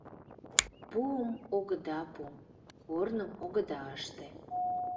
Пуым огыда пу, корным огыда ыште.